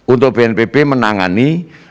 untuk bnpb menangani